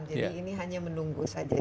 jadi ini hanya menunggu saja